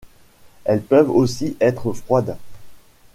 Elles peuvent aussi être froides.